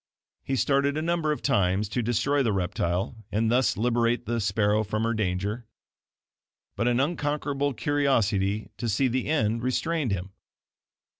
He started a number of times to destroy the reptile and thus liberate the sparrow from her danger, but an unconquerable curiosity to see the end restrained him.